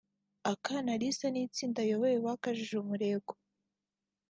Akana Alice n’itsinda ayoboye bakajije umurego